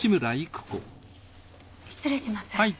失礼します。